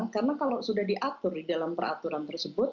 karena kalau sudah diatur di dalam peraturan tersebut